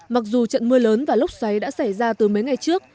mặc dù trận mưa lớn và lốc xoáy đã xảy ra từ mấy ngày trước